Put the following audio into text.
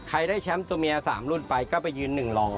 ได้แชมป์ตัวเมีย๓รุ่นไปก็ไปยืน๑รอง